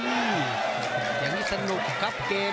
อย่างนี้สนุกครับเกม